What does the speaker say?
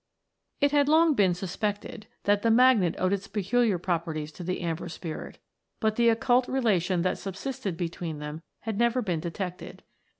It had long been suspected that the magnet owed its peculiar properties to the Amber Spirit, but the occult relation that subsisted between them had never been detected.